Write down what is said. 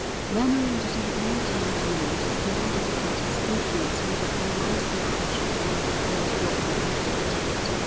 Murmuring that he had no time to lose if he wanted to get his patients ready for a night march, he followed Walker out of the tent.